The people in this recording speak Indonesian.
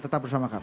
tetap bersama kami